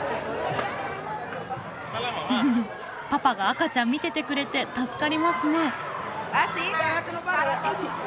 ふふふパパが赤ちゃん見ててくれて助かりますね。